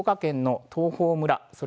福岡県の東峰村。